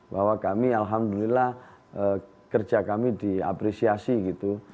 bahwa kami alhamdulillah kerja kami diapresiasi gitu